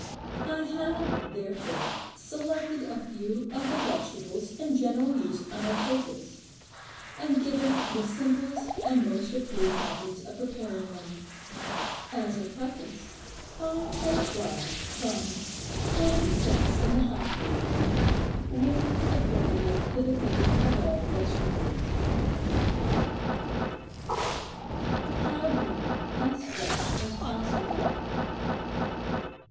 I have, therefore, selected a few of the vegetables in general use on our tables, and given the simplest and most approved methods of preparing them. As a preface I transcribe from "Common Sense in the Household" "RULES APPLICABLE TO THE COOKING OF ALL VEGETABLES." Have them as fresh as possible.